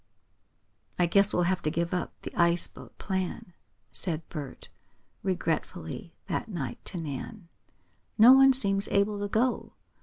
"I guess we'll have to give up the ice boat plan," said Bert, regretfully that night to Nan. "No one seems able to go.